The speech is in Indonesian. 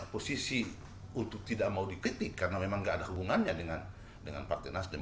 posisi untuk tidak mau dikritik karena memang tidak ada hubungannya dengan partai nasdem